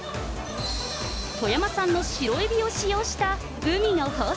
富山産の白エビを使用した、海の宝石！